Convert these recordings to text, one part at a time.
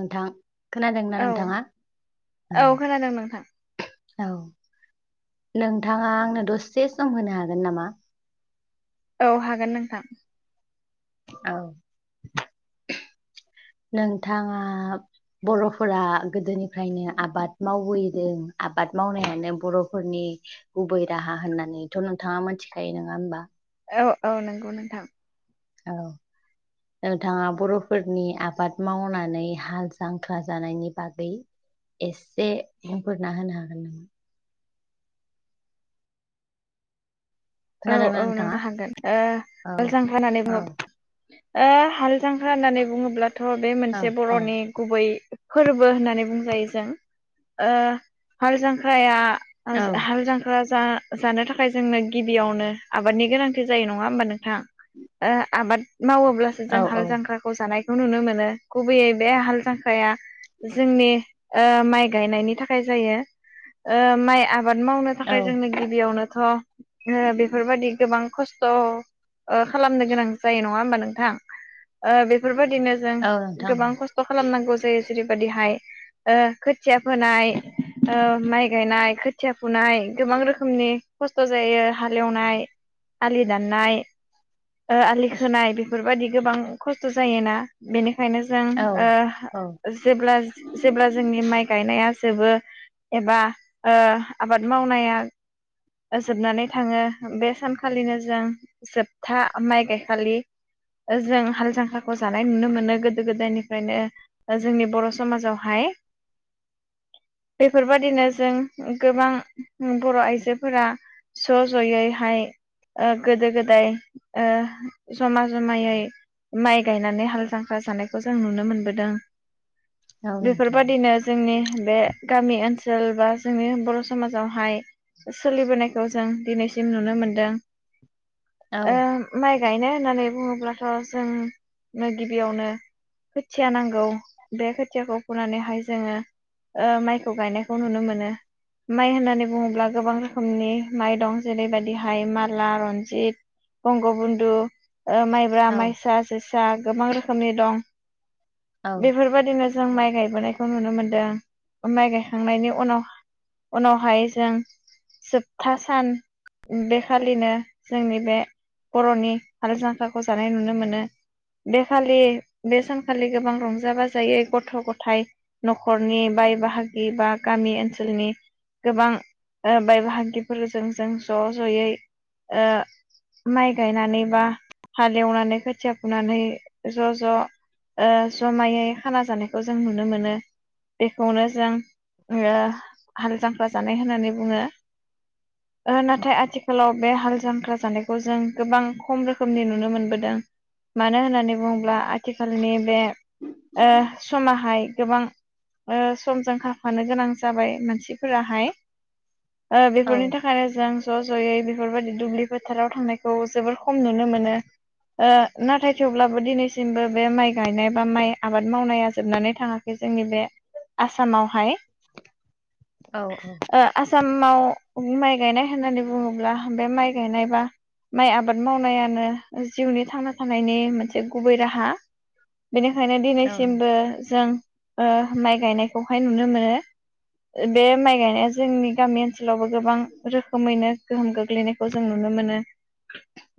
नोंथां खोनादोंना औ नोंथाङा औ खोनादों नोंथां। औ नोंथाङा आंनो दसे सम होनो हागोन नामा? औ हागोन नोंथां। औ। नोंथाङा बर'फोरा गोदोनिफ्रायनो आबाद मावबोयदों आबाद मावनायानो बर'फोरनि गुबै राहा होननानैथ' नोंथाङा मोनथिखायो नङा होमबा औ औ नोंगौ नोंथां औ नोंथाङा बर'फोरनि आबाद मावनानै हाल जांख्रा जानायनि बागै एसे बुंफोरना होनो हागोन नामा औ खोनादोंना औ नोंथाङा नोंथां हागोन ओ औ नांगोल जांख्रा हानानै औ बुङो ओ हाल जांख्रा होननानै बुङोब्लाथ' बे औ मोनसे औ बर'नि गुबै फोरबो होननानै बुंजायो जों ओ हाल जांख्राया औ ओज हाल जांख्रा‌ जा जानो थाखाय जोंनो गिबियावनो आबादनि गोनांथि जायो नङा होमबा नोंथां ओ आबाद मावोब्लासो औ जों हाल औ जांख्राखौ जानाय खौ नुनो मोनो गुबैयै बे हाल जांख्राया जोंनि ओ माइ गायनायनि थाखाय जायो ओ माइ आब बाद मावनो औ थाखाय जोंनो गिबियावनोथ' ओ बेफोरबादि गोब बां खस्थ' ओ खालामनो गोनां जायो नङा हबा नोंथां ओ बेफार बादिनो जों औ नोंथां गोबां खस्थ' खालामनांगौ जायो जेरैबायदिहाय ओ खोथिया फोनाय ओ माइ गायनाय खोथिया फुनाय गोबां रोखोमनि खस्थ' जायो हालेवनाय आलि दाननाय ओ आलि खोनाय बेफोरबायदि गोबां खस्थ' जायोना बेनि खायनो जों औ ओ औ जेब्ला जेब्ला जोंनि माइ गायनाया जोबो एबा ओ आबाद मावनाया जोबनानै थाङो बे सानखालिनो जों जोबथा माइ गायखालि जों हाल जांख्राखौ जानाय नुनो मोनो गोदो गोदायनिफ्रायनो जोंनि बर' समाजावहाय बेफोरबादिनो जों गोबां बर' आइजोफोरा ज' ज'यैहाय ओ गोदो गोदाय ओ जमा जमायै माइ गायनानै हाल जांख्रा जानायखौ जों नुनो मोनबोदों औ नोंथां बेफोरबायादिनो जोंनि बे गामि ओनसो सोल बा जोंनि बर' समाजावहाय सोलिबोनाय खौ जों दिनैसिम नुनो मोनदों औ ओ माइ गायनाय होननानै बुङोब्लाथ' जोंनो ओ गिबियावनो खोथिया नांगौ बे खोथियाखौ फोननानैहाय जोङो ओ माइखौ गायनायखौ नुनो मोनो माइ होननानै बुङोब्ला गोबां रोखोमनि माइ दं जेरैबायदिहाय माला रनजित बंगबन्धु ओ माइब्रा औ माइसा जोस आ गोबां रोखोमनि दं औ बेफोर बादिनो जों माइ गायबोनायखौ नुनो मोनदों माइ गायखांनायनि उनाव उनावहाय जों जोब था सान बेखालिनो जोंनि बे बर'नि हाल जांख्राखौ जानाय नुनो मोनो बेखालि बे सानखालि गोबां रंजा बाजायै गथ' गथाय न'खरनि बाय बाहागि बा गामि ओनसोलनि गोबां ओ बाय बाहागि फोरजों जों ज' ज'यै ओ माइ गायनानै बा हालेवनानै खोथिया फुनानै ज' ज' ओ ज'मायै खाना जानायखौ जों नुनो मोनो बेखौनो जों ओ हाल जांख्रा जानाय होननानै बुङो ओ नाथाय आथिखालाव बे हाल जांख्रा जानायखौ जों गोबां खम रोखोमनि नुनो मोनबोदों मानो होननानै बुङोब्ला आथिखालनि बे ओ समाहाय गोबां समजों खारफानो गोनां जाबाय मानसिफोराहाय ओ बेफोरनि औ जों ज' ज'यै बेफोरबायदि दुब्लि फोथाराव थांनायखौ जोबोर खम नुनो मोनो ओ नाथाय थेवब्लाबो दिनैसिमबो बे माइ गायनाय बा माइ आबाद मावनाया जोबनानै थाङाखै जोंनि बे आसामावहाय औ औ माव माइ गायनाय होननानै बुङोब्ला बे माइ गायनाय बा माइ आबाद मावनायानो ओ जिउनि थांना थानायनि मोनसे गुबै राहा। बेनिखायनो औ दिनैसिमबो जों ओ माइ गायनायखौहाय नुनो मोनो बे माइ गायनाया जोंनि गामि ओनसोलावबो गोबां रोखोमैनो गोहोम गोग्लैनायखौ जों नुनो मोनो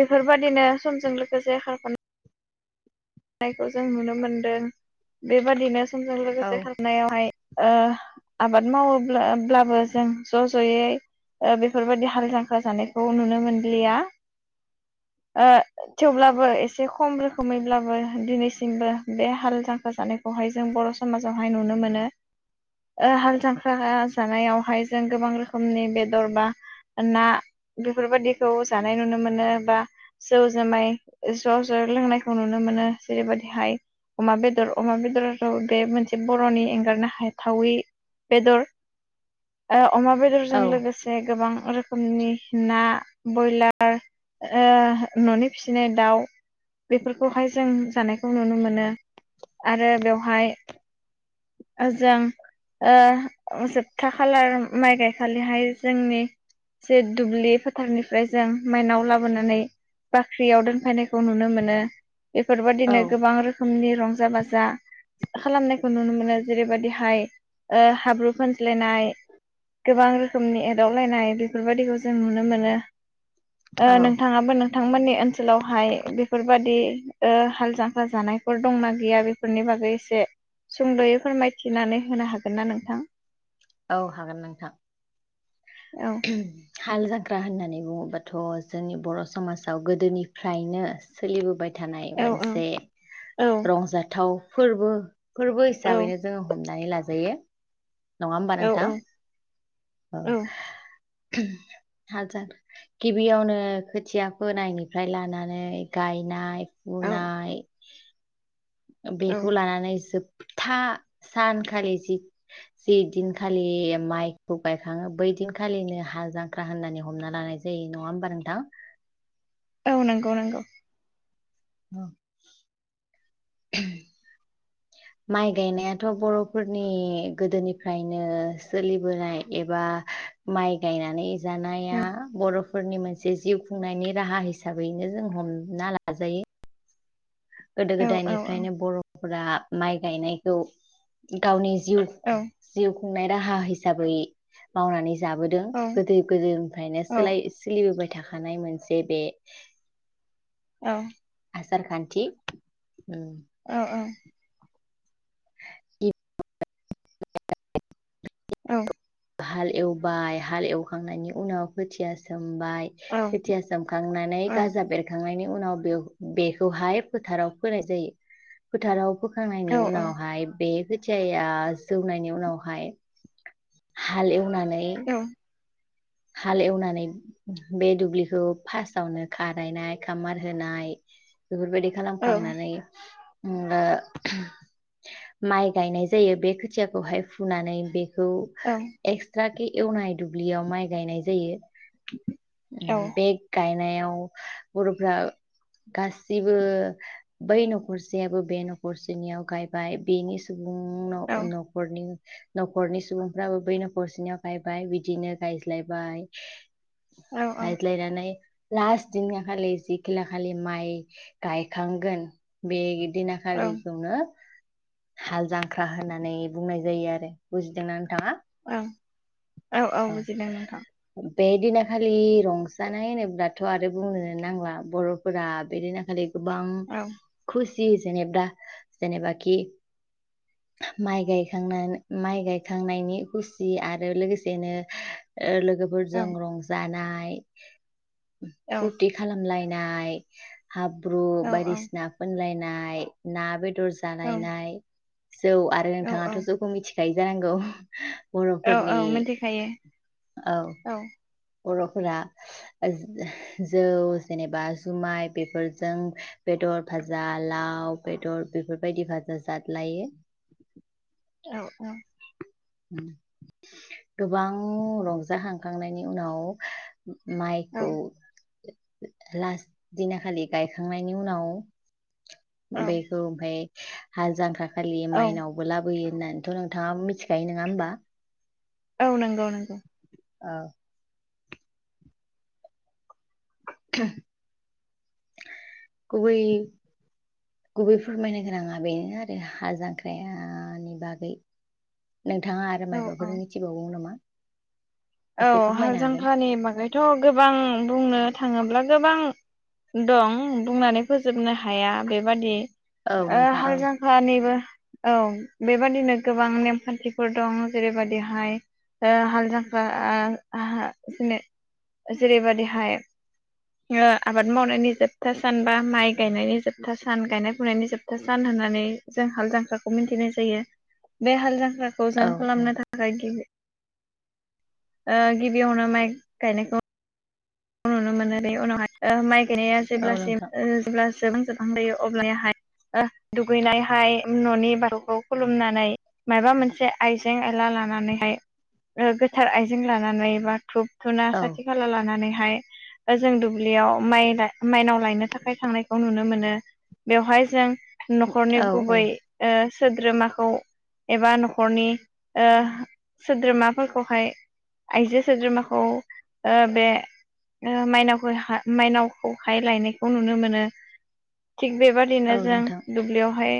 बेफोरबायदिनो समजों लोगोसे खारफान नायखौ जों नुनो मोनदों बेबादिनो समजों औ लोगोसे खारफा नायावहाय ओ आबाद मावोब्ला ब्लाबो जों ज' ज'यै ओ बेफोर बायदि हाल जांखखा जानायखौ नुनो मोनलिया ओ थेवब्लाबो एसे खम रोखोमैब्लाबो दिनैसिमबो बे हाल जांख्रा जानायखौहाय जों बर' समाजावहाय नुनो मोनो ओ हाल जांख्राहा जानायावहाय जों गोबां रोखोमनि बेदर बा ना बेफोर बायदिखौ जानाय नुनो मोनो बा जौ जुमाय ज' ज' लोंनायखौ नुनो मोनो। जेरैबायदिहाय अमा बेदर अमा बेदराथ' बे मोनसे बर'नि एंगारनो हाथावि बेदर अ अमा बेदरजों लोगोसे गोबां रोखोमनि ना बयलार ओ न'नि फिसिनाय दाउ बेफोरखौहाय जों जानायखौ नुनो मोनो आरो बेवहाय ओ जों ओ जोबथा खालार माइ गायखालिहाय जोंनि जे दुब्लि फोथारनिफ्राय जों माइनाव लाबोनानै बाख्रियाव दोनफैनायखौ नुनो मोनो। बेफोर बादिनो औ गोबां रोखोमनि रं जा बाजा खालामनाय खौ नुनो मोनो जेरैबायदिहाय ओ हाब्रु फानज्लायनाय गोबां रोखोमनि एदावलायनाय बे फोर बायदिखौ जों नुनो मोनो। ओ नोंथाङाबो नों थांमोननि ओनसोलावहाय बेफोरबादि ओ हाल जांख्रा जानायफोर दंना गैया बेफोरनि बागै एसे सुंद'यै फोरमायथिनानै होनो हागोन ना नोंथां औ हागोन नोंथां औ [unintelligible] हाल जां ख्रा होननानै बुङोबाथ' जोंनि बर' समासाव गोदोनिफ्रायनो सोलिबोबाय थानाय औ मोनसे औ रंजाथाव फोरबो फोरबो औ हिसाबैनो जोङो हमनानै लाज जायो नङा होमबा नोंथां औ [unintelligible] हाजार गिबियावनो खोथिया फोनायनिफ्राय लानानै गायनाय औ फुनाय ओ औ बेखौ लानानै जोब था सान खालि जि जि दिनखालि माइखौ गायखाङो बै दिनखालिनो हाल जांख्रा होननानै हमना लानाय जायो। नङा होमबा नोंथां? औ नोंगौ नोंगौ ओं माइ गायनायाथ' बर'फोरनि गोदोनिफ्रायनो सोलिबोनाय एबा माइ गायनानै औ जानाया बर' फोरनि मोनसे जिउ खुंनायनि राहा हिसाबैनो जों सम हमना लाजायो गोदो औ औ गोदायनिफ्रायनो बर' फ्रा माइ गायनायखौ गावनि जिउ औ जिउ खुंनाय राहा हिसाबै मावनानै जाबोदों औ गोदो गोदोनिफ्रायनो औ सोलाय सोलिबोबाय थाखानाय मोनसे बे औ आसारखान्थि ओम ओं ओं इप औ हाल एवबाय हाल एवखांनायनि उनाव खोथिया सोम सोमबाय खोथिया सोमखांनानै गाजा बेरखांनायनि उनाव बेव बेखौहाय फोथाराव फोनाय जायो फोथाराव फोखांनायनि उनावहाय बे खोथ खोथियाया जौनायनि उनावहाय हाल एवनानै औ हाल एवनानै बे दुब्लिखौ फास्टावनो खारायनाय खामार होनाय बेफोरबायदि खालामखांनानै ओ माइ गायनाय जायो बे खोथियाखौहाय फुनानै बे खौ एक्सट्रा बे एवनाय दुब्लियाव माइ गायनाय जायो ओ बे गायनायाव बरफ्रा गासिबो बै न'खरसेयाबो बे न'खरसेनियाव गायबाय बेनि सुब नों नो न'खरनि न'खरनि सुबुंफ्राबो बै न'खरसेनियाव गायबाय बिदिनो गाय लायबाय औ औ गायज्लायनानै लास्ट दिनखा खालि जिखिला खालि माइ गायखांगोन बे दिना खालिखौनो हाल जांख्रा होननानै बुंनाय जायो आरो बुजिदोंना नोंथाङा ओं औ औ बुजिदों नोंथां। बे दिनाखालि रंजानाय होनोब्लाथ' आरो बुंनोनो नांला बर'फोरा बे दिनाखालि गोबां औ खुसि जि जेनेबा जेनेबाखि माइ गायखांना माइ गायखांनायनि खुसि आरो लोगोसे बिदिनो ओ औ लोगोफोरजों रंजानाय नाय औ फुरथि खालामलाय नाय हाब्रु औ बायदिसिना फोनलायनाय नाय ना बेद दर जालायनाय जौ आरो औ नोंथाङाथ' औ जौखौ मिथि सायजा नांगौ बर'फोरनि खायो औ बर'फोरा जौ जेनेबा जुमाय बेफोरजों बेदर भाजा लाव बेदर बेफोरबायदि फाजा जादलायो औ औ होम गोबां रंजा खांखांनायनि उनाव औ माइखौ लास्ट दिना खालि गायखांनायनि उनाव औ बेखौ ओमफाय हाल जांख्रा खालि औ माइनावबो लाबोयो होननानैथ' नोंथाङा मिथिखायो नङा होमबा? औ नंगौ नंगौ औ गुबै गुबै फोरमायनो गोनाङा बेनो आरो हा जांख्राया नि बागै नोंथाङा आरो औ औ मायबाफोर मिथिबावगौ नामा? औ एसे हाल फोरमायनो हागोन जांख्रानि बागैथ' गोबां बुंनो थाङोब्ला गोबां दं बुंनानै फोजोबनो हाया बेबादि औ ओ नोंथां औ हाल जांख्रानिबो औ बेबादिनो गोबां नेमखान्थिफोर दं जेरै बायदिहाय ओ हाल जांख्रा आ आ जेरैबायदिहाय ओ आबाद मावनायनि जोबथा सान बा माइ गायनायनि जोबथा सान गायनाय फुनायनि जोबथा सान होननानै जों हाल जांख्राखौ मिथिनाय जायो बे हाल जां ख्राखौ जों औ औ खालामनो थाखाय गिबि ओ गिबियावनो माइ गायनायखौ नुनो मोनो बिनि उनाव‌ ओ माइ गायनाया औ जेब्ला सिम नोंथां ओ जेब्ला जोबहां जोबहां जायो अब्लानिहाय ओ दुगैनायहाय न'नि बाथौखौ खुलुमनानै मायबा मोनसे आइजें आयला लानानैहाय गोथार आइजें लानानै बा थुब थुना औ साथि खाला लानानै हाय जों दुब्लियाव माइ माइनाव लायनो थाखाय थांनायखौ नुनो मोनो बेवहाय जों न'खरनि औ औ गुबै ओ सोद्रोमाखौ एबा न'खरनि ओ सोद्रोमाफोरखौहाय आइजो सोद्रोमाखौ ओ बे ओ माइनाव मायनावखौहाय लायनायखौ नुनो मोनो थिग बेबादिनो औ जों नोंथां दुब्लियावहाय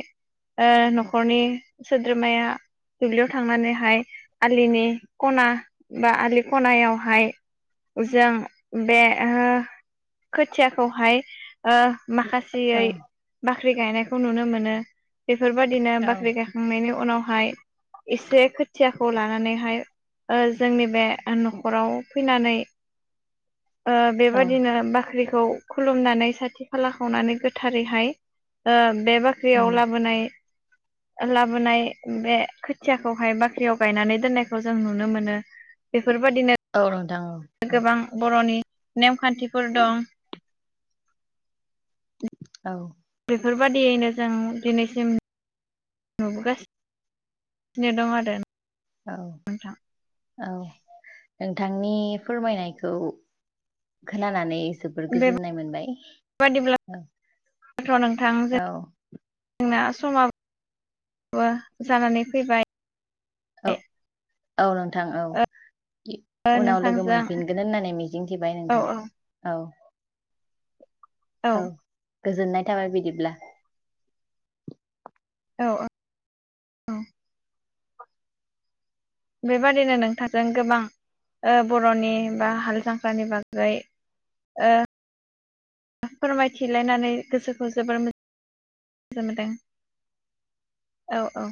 ओ न'खरनि सोद्रोमाया दुब्लियाव थांनानैहाय आलिनि खना बा आलि खनायावहाय जों बे हो खोथियाखौहाय ओ औ माखासेयै बा ख्रि गायनायखौ नुनो मोनो बेफोर बायदिनो औ बाख्रि गायखांनायनि उनावहाय एसे खोथियाखौ लानानैहाय ओ जोंनि बे न'खराव फैनानै ओ औ बेबायदिनो बाख्रि खौ खुलुमनानै साथि खाला खावनानै गोथारैहाय ओ बे बाख्रियाव उम लाबोनाय लाबोनाय बे खोथियाखौहाय बाख्रियाव गायनानै दोननायखौ जों नुनो मोनो बे औ नोथां औ गोबां ब र'नि नेमखान्थिफोर दं औ बेफोर‌ बायदियैनो जों दिनैसिम नुबोगासि नो दं आरो औ नोंथां औ नोंथांनि फोरमायनायखौ खोनानानै जोबोर गोजोननाय मोनबाय बेबादिब्लाथ' औ नोंथां जोंना औ समाबो जानानै फैबाय औ औ नों थां औ इ उनाव लोगो नोंथांजों मोनफिनगोन होननानै मिजिंथिबाय औ नोंथां औ औ। गोजोननाय थाबाय बिदिब्ला। औ औ औ। बेबादिनो नोंथांजों गोबां ओ बर'नि बा हाल जांख्रानि बागै ओ ओ फोरमायथिलायनानै गोसोखौ जोबोर मो गोजोननाय मोनदों औ औ।